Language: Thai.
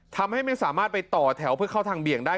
ทำให้ไม่สามารถไปต่อแถวเพื่อเข้าทางเบี่ยงได้